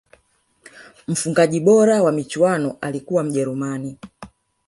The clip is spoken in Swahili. mfungaji bora wa michuano alikuwa mjerumani